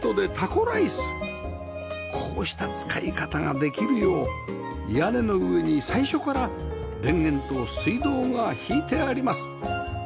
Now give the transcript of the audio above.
こうした使い方ができるよう屋根の上に最初から電源と水道が引いてあります